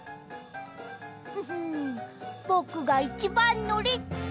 ふふんぼくがいちばんのりっと！